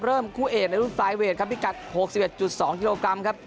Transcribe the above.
เริ่มคู่เอกในรุ่นปลายเวทครับพิกัดหกสิบเอ็ดจุดสองกิโลกรัมครับ